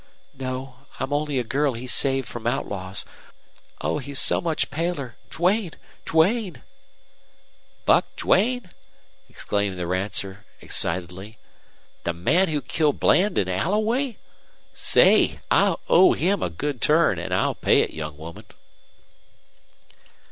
"No. I'm only a girl he saved from outlaws. Oh, he's so paler Duane, Duane!" "Buck Duane!" exclaimed the rancher, excitedly. "The man who killed Bland an' Alloway? Say, I owe him a good turn, an' I'll pay it, young woman."